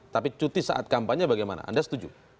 tapi cuti saat kampanye bagaimana anda setuju